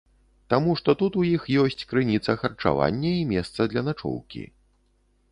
Таму што тут у іх ёсць крыніца харчавання і месца для начоўкі.